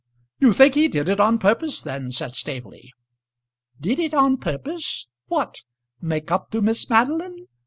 "You think he did it on purpose then," said Staveley. "Did it on purpose? What; make up to Miss Madeline?